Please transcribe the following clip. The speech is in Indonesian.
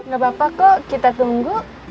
gapapa ko kita tunggu